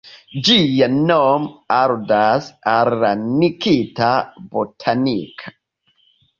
Ĝia nom aludas al la Nikita botanika ĝardeno, en suda Krimeo.